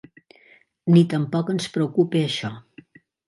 Ni tampoc ens preocupa això.